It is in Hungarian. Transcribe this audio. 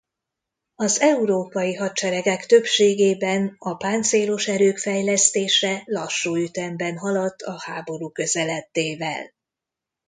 Az európai hadseregek többségében a páncélos erők fejlesztése lassú ütemben haladt a háború közeledtével.